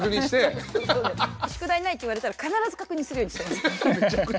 「宿題ない」って言われたら必ず確認するようにしてます。